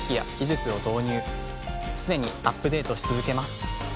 常にアップデートし続けます。